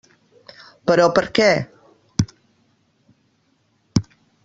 Però per què?